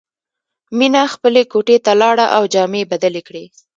مینه خپلې کوټې ته لاړه او جامې یې بدلې کړې